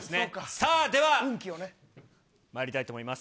さあ、では、まいりたいと思います。